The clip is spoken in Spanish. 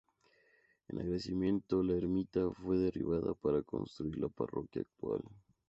En agradecimiento, la ermita fue derribada para construir la parroquia actual.